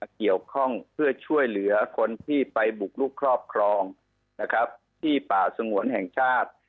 เกี่ยวข้องเพื่อช่วยเหลือคนที่ไปบุกลุกครอบครองที่ป่าสงวนแห่งชาติ